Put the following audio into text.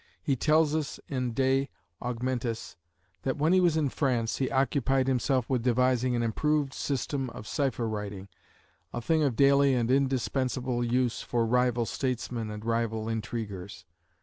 He tells us in the De Augmentis that when he was in France he occupied himself with devising an improved system of cypher writing a thing of daily and indispensable use for rival statesmen and rival intriguers.